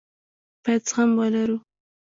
بايد زغم ولرو.